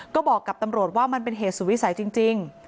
ก็บอกกับตำรวจว่ามันเป็นเหตุสุดวิสัยจริง